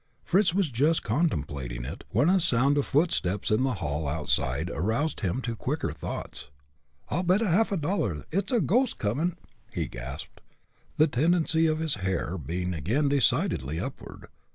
Fritz was just contemplating it, when a sound of footsteps in the hall outside aroused him to quicker thoughts. "I'll bet a half dollar it's a ghost comin'," he gasped, the tendency of his hair being again decidedly upward.